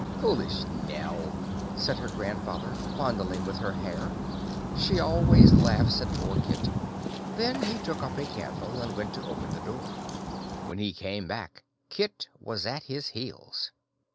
"Foolish Nell," said her grandfather, fondling with her hair. "She always laughs at poor Kit." Then he took up a candle, and went to open the door. When he came back Kit was at his heels.